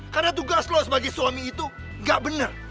karena tugas lo sebagai suami itu nggak benar